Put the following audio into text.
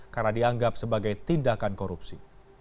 karena dianggap sebagai tindakan korupsi